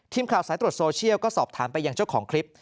ทีมข่าวสายตรวจโซเชียลก็สอบถามไปยังเจ้าของคลิป